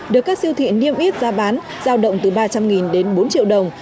được các siêu thị niêm yết giá bán giao động từ ba trăm linh đến bốn triệu đồng